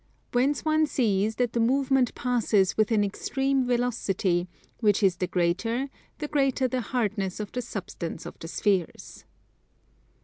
Whence one sees that the movement passes with an extreme velocity which is the greater, the greater the hardness of the substance of the spheres.